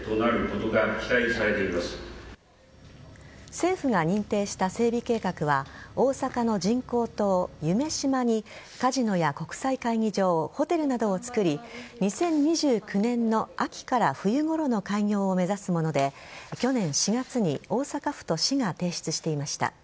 政府が認定した整備計画は大阪の人工島・夢洲にカジノや国際会議場ホテルなどをつくり２０２９年の秋から冬ごろの開業を目指すもので去年４月に大阪府と市が提出していました。